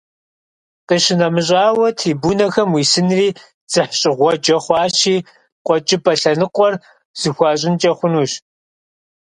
КъищынэмыщӀауэ, трибунэхэм уисынри дзыхьщӀыгъуэджэ хъуащи, «КъуэкӀыпӀэ» лъэныкъуэр зэхуащӀынкӀэ хъунущ.